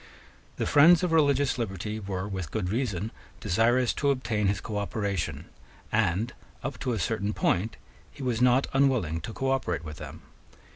The friends of religious liberty were with good reason desirous to obtain his cooperation; and, up to a certain point, he was not unwilling to cooperate with them.